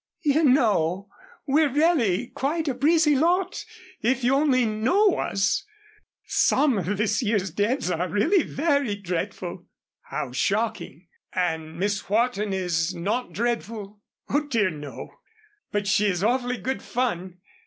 "You know we're really quite a breezy lot, if you only know us. Some of this year's debs are really very dreadful." "How shocking, and Miss Wharton is not dreadful?" "Oh, dear, no. But she is awfully good fun.